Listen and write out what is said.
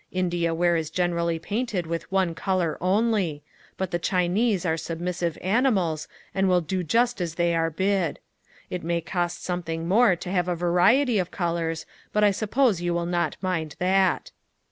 India ware is generally painted with one color only; but the Chinese are submissive animals, and will do just as they are bid. It may cost something more to have a variety of colors, but I suppose you will not mind that."